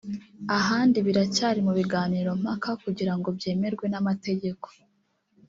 ahandi biracyari mu biganiro mpaka kugira ngo byemerwe n’amategeko